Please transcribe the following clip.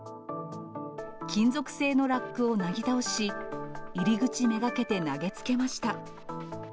金属製のラックをなぎ倒し、入り口目がけて投げつけました。